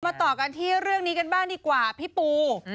ต่อกันที่เรื่องนี้กันบ้างดีกว่าพี่ปู